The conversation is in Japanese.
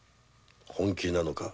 本気なのか？